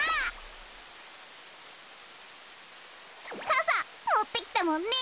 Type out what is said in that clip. かさもってきたもんね。